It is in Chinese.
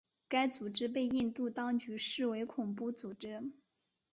该组织被印度当局视为恐怖组织。